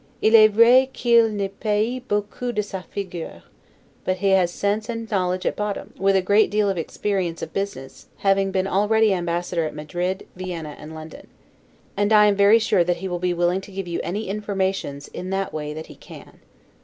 'Il est vrai qui'il ne paie pas beaucaup de sa figure'; but he has sense and knowledge at bottom, with a great experience of business, having been already Ambassador at Madrid, Vienna, and London. And I am very sure that he will be willing to give you any informations, in that way, that he can.